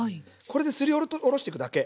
これですりおろしていくだけ。